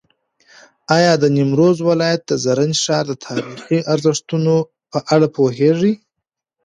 ایا د نیمروز ولایت د زرنج ښار د تاریخي ارزښت په اړه پوهېږې؟